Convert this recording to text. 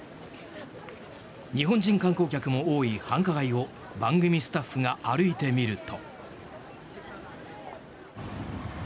日本人観光客も多い繁華街を番組スタッフが歩いてみると。